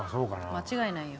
間違いないよ。